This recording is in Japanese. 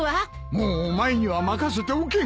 もうお前には任せておけん！